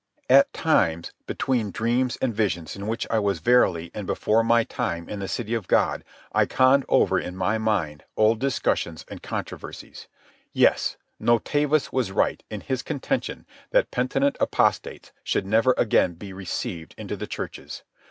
At times, between dreams and visions in which I was verily and before my time in the City of God, I conned over in my mind old discussions and controversies. Yes, Novatus was right in his contention that penitent apostates should never again be received into the churches.